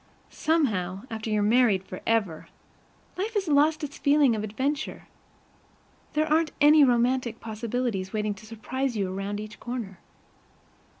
Somehow, after you're married forever, life has lost its feeling of adventure. There aren't any romantic possibilities waiting to surprise you around each corner.